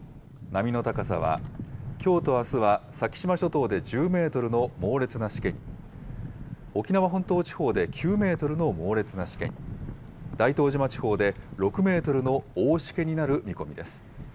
波の高さは、きょうとあすは先島諸島で１０メートルの猛烈なしけに、沖縄本島地方で９メートルの猛烈なしけに、大東島地方で６メートルの大しけになる見込みです。